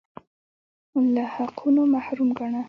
له حقونو محروم ګاڼه